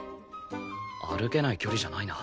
歩けない距離じゃないな。